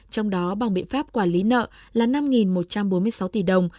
trong đó bằng biện pháp quản lý nợ là năm một trăm bốn mươi sáu tỷ đồng